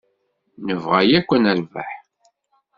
Nebɣa akk ad nerbeḥ.